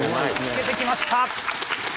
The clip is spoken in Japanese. つけてきました。